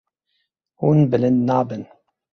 Hûn bilind nabin.